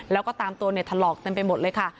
แล้วก็ตามตัวเนี่ยถลอกเต็มไปหมดเลยค่ะ